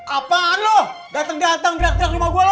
apaan lu dateng dateng direct direct rumah gua lu